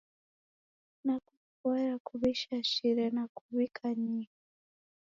Dakuvoya kuw'ishashire na kuw'ikanie.